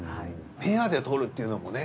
ペアでとるっていうのもね。